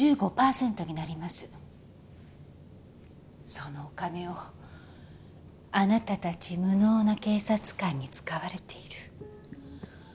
そのお金をあなたたち無能な警察官に使われている。